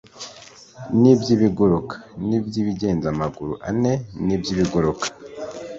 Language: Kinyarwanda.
n’iby’ibiguruka, n’iby’ibigenza amaguru ane, n’iby’ibikururuka.